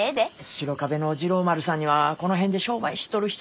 白壁の治郎丸さんにはこの辺で商売しとる人